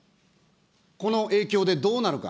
この影響でどうなるか。